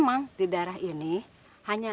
ada orang yang